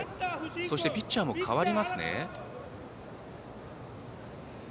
そしてピッチャーも代わりますね。